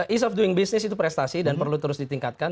ease of doing business itu prestasi dan perlu terus ditingkatkan